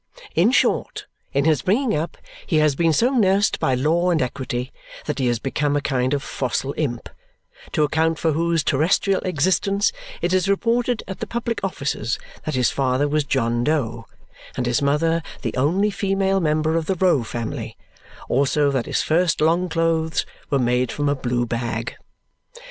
In short, in his bringing up he has been so nursed by Law and Equity that he has become a kind of fossil imp, to account for whose terrestrial existence it is reported at the public offices that his father was John Doe and his mother the only female member of the Roe family, also that his first long clothes were made from a blue bag.